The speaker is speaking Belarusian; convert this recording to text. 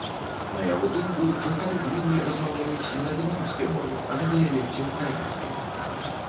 На яго думку, жыхары гміны размаўляюць не на беларускай мове, а на дыялекце ўкраінскай.